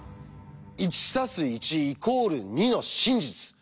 「１＋１＝２」の真実。